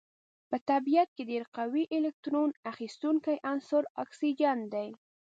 په طبیعت کې ډیر قوي الکترون اخیستونکی عنصر اکسیجن دی.